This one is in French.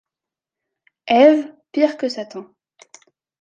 Ève pire que Satan.